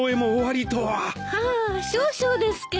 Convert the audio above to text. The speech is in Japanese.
あ少々ですけど。